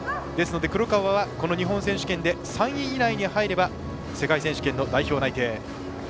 黒川は、この日本選手権で３位以内に入れば世界選手権の代表内定。